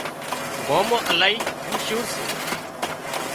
مامو الهي مشهور سي